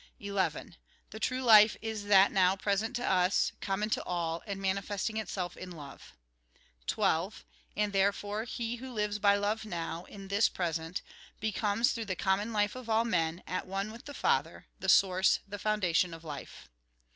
11. The true life is that now present to us, common to all, and manifesting itself in love. 12. And therefore, he who lives by love now, in this present, becomes, through the common life of all men, at one with the Father, the source, the foundation of life.